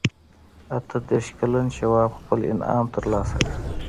اته دېرش کلن شواب خپل انعام ترلاسه کړ